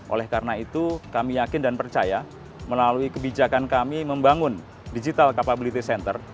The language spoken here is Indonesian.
oleh karena itu kami yakin dan percaya melalui kebijakan kami membangun digital capability center